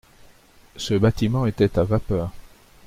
Ce bâtiment était à vapeur.